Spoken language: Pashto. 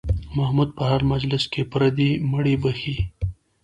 محمود په هر مجلس کې پردي مړي بښي.